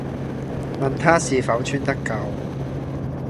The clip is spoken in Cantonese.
問她是否穿得夠？